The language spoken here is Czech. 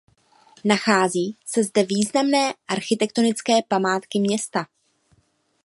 Nacházejí se zde významné architektonické památky města.